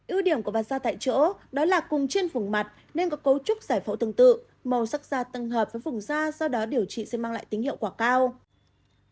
ưu điểm của bàn ra tại chỗ đó là cùng trên vùng mặt nên có cấu trúc giải phẫu tương tự màu sắc da tầng hợp với vùng da do đó điều trị sẽ mang lại tính hiệu quả cao